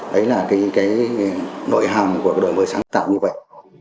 đấy là cái nội hàm của cái đổi mới sáng tạo như vậy